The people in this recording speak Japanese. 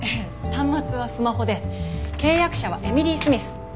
端末はスマホで契約者はエミリー・スミス。